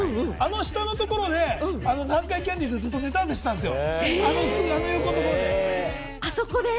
あの下のところで、南海キャンディーズがずっとネタ合わせしていたんですよ。